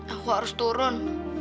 aku harus turun